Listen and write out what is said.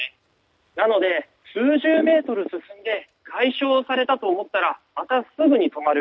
なので、数十メートル進んで解消されたと思ったらまたすぐに止まる。